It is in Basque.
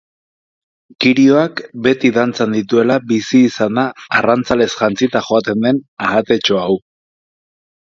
Kirioak beti dantzan dituela bizi izan da arrantzalez jantzita joaten den ahatetxo hau.